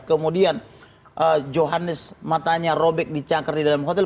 kemudian johannes matanya robek dicakar di dalam hotel